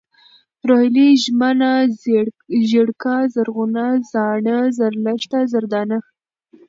روهيلۍ ، ژمنه ، ژېړکه ، زرغونه ، زاڼه ، زرلښته ، زردانه